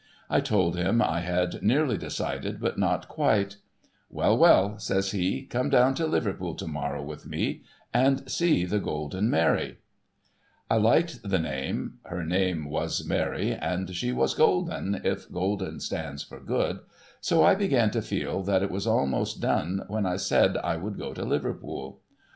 I told him I had nearly decided, but not quite. ' Well, well,' says he, ' come down to Liverpool to morrow with me, and i:o THE Wrs.ECK OF THE GOLDEN MARY sec the Golden Mary.' I liked the name (lier name was I^Iary, and she was golden, if golden stands for good), so I began to feel that it was almost done when I said I would go to Liverpool.